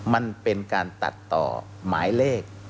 มันเป็นการตัดต่อหมายเลข